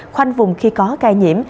khoanh vùng khi có ca nhiễm